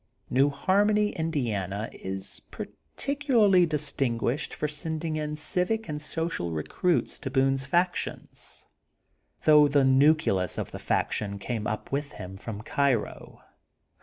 New Harmony, Indiana, is particularly dis tinguished for sending in civic and social re emits to Boone's faction, though the neu cleus of the faction came up with him from Cairo.